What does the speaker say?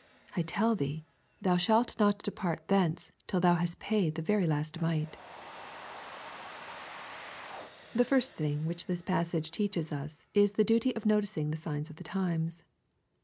59 I tell thee, thou shalt not depart thence, till thou hast paid the very last mite « The first thing which this passage teaches us is the duty of noticing the signs of the times.